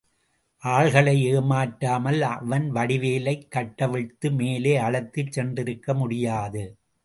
ஆள்களை ஏமாற்றாமல் அவன் வடிவேலைக் கட்டவிழ்த்து மேலே அழைத்துச் சென்றிருக்க முடியாது.